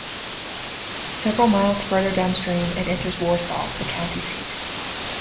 Several miles further downstream it enters Warsaw, the county seat.